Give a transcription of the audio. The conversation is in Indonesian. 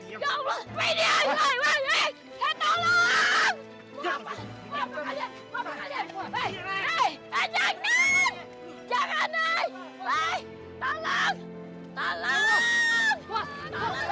ibu bawa ambulan mas bawa ambulan tolong